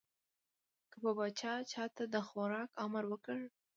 که به پاچا چا ته د خوراک امر وکړ.